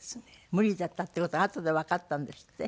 無理だったって事があとでわかったんですって？